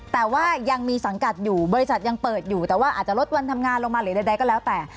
แต่ว่ายังมีสังกัดอยู่บริษัทยังเปิดอยู่แต่ว่าอาจจะลดวันทำงานลงมาหรือใดก็แล้วแต่